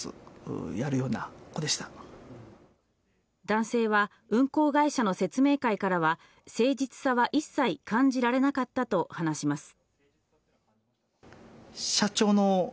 男性は運航会社の説明会からは誠実さは一切感じられなかったと話します。